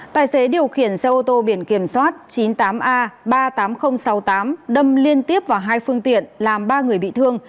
tài xế điều khiển xe ô tô biển kiểm soát chín mươi tám a ba mươi tám nghìn sáu mươi tám đâm liên tiếp vào hai phương tiện làm ba người bị thương